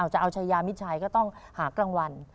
จะเอาชายามิดชัยก็ต้องหากลางวัน